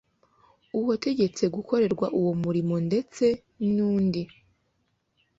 uwategetse gukorerwa uwo murimo ndetse n undi